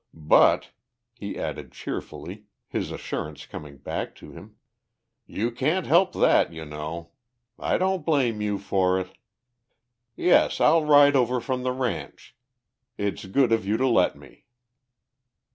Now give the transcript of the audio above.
But," he added cheerfully, his assurance coming back to him, "you can't help that, you know. I don't blame you for it. Yes, I'll ride over from the ranch. It's good of you to let me."